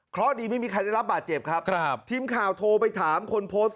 เพราะดีไม่มีใครได้รับบาดเจ็บครับครับทีมข่าวโทรไปถามคนโพสต์